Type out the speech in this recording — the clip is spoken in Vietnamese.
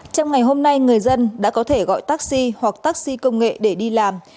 trong ngày hôm nay người dân đã có thể gọi taxi hoặc taxi công nghệ để đi làm